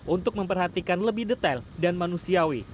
untuk memperhatikan lebih detail dan manusiawi